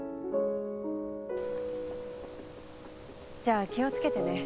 じゃあ気を付けてね。